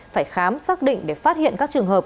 phải khám xác định để phát hiện các trường hợp